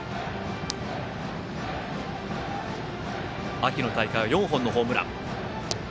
秋の大会は４本のホームラン。